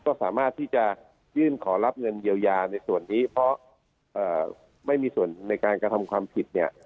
ก็สามารถที่จะยื่นขอรับเงินเยียวยาในส่วนนี้เพราะไม่มีส่วนในการกระทำความผิดเนี่ย